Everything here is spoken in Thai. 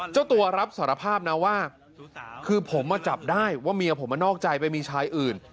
เจ้าตัวรับสารภาพนะว่าคือผมมาจับได้ว่าเมียผมมานอกใจไปมีชายอื่น